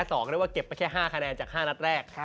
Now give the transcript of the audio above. บอกได้ว่าเก็บไปแค่๕คะแนนจาก๕นัทแรก